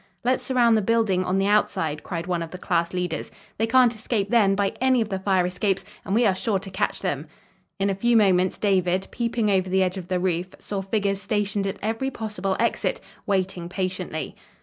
"Let's surround the building on the outside," cried one of the class leaders. "They can't escape, then, by any of the fire escapes, and we are sure to catch them!" In a few moments, David peeping over the edge of the roof, saw figures stationed at every possible exit, waiting patiently.